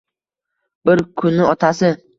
Bir kuni otasi